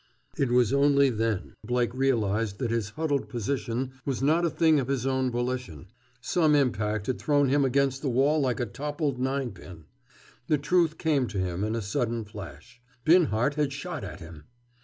It was only then Blake realized that his huddled position was not a thing of his own volition. Some impact had thrown him against the wall like a toppled nine pin. The truth came to him, in a sudden flash; Binhart had shot at him.